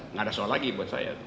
nggak ada soal lagi buat saya